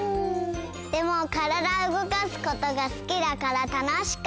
でもからだうごかすことがすきだからたのしかった！